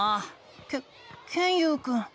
ケケンユウくん。